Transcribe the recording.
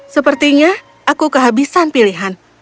sepertinya aku kehabisan pilihan